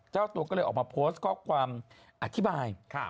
เจ้าตัวก็เลยออกมาโพสต์ข้อความอธิบาย